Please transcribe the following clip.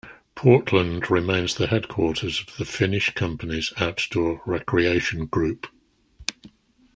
Portland remains the headquarters of the Finnish company's outdoor recreation group.